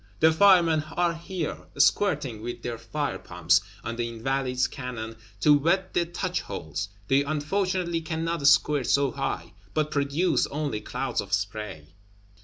The Firemen are here, squirting with their fire pumps on the Invalides cannon, to wet the touch holes; they unfortunately cannot squirt so high; but produce only clouds of spray.